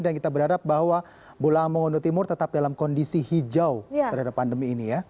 dan kita berharap bahwa bola amoondo timur tetap dalam kondisi hijau terhadap pandemi ini ya